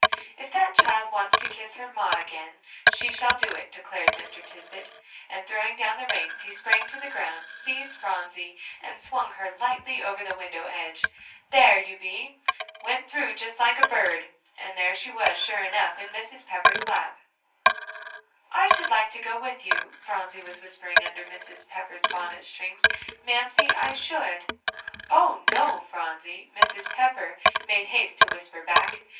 "If that child wants to kiss her ma agen, she shall do it," declared Mr. Tisbett; and throwing down the reins, he sprang to the ground, seized Phronsie, and swung her lightly over the window edge. "There you be went through just like a bird." And there she was, sure enough, in Mrs. Pepper's lap. "I should like to go with you," Phronsie was whispering under Mrs. Pepper's bonnet strings, "Mamsie, I should." "Oh, no, Phronsie!" Mrs. Pepper made haste to whisper back.